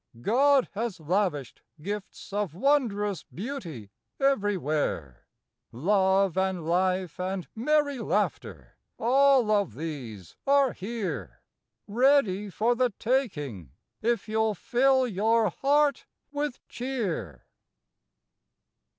God has lavished gifts of wondrous beauty everywhere. Love and Life and merry Laughter all of these are here Ready for the taking if you ll fill your heart with cheer.